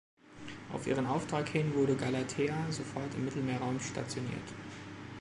Auf ihren Auftrag hin wurde "Galatea" sofort im Mittelmeerraum stationiert.